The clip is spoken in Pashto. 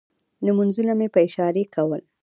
لمونځونه مې په اشارې کول.